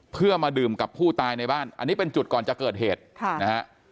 เพื่อมาดื่มกับผู้ตายในบ้านอันนี้เป็นจุดก่อนจะเกิดเหตุค่ะนะฮะ